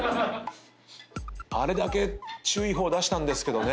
あれだけ注意報出したんですけどね。